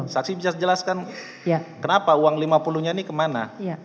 saksi bisa jelaskan kenapa uang lima puluh nya ini kemana